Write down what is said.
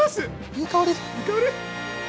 いい香り！